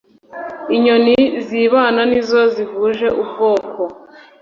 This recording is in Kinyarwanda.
Inyoni zibana n’izo zihuje ubwoko,